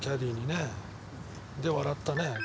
「で笑ったね」